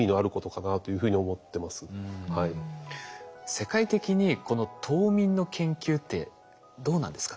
世界的にこの冬眠の研究ってどうなんですか？